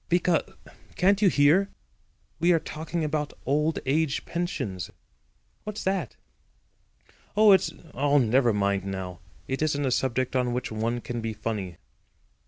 "Because—can't you hear? We are talking about Old Age Pensions." "What's that?" "Oh, it's—oh, never mind now. It isn't a subject on which one can be funny."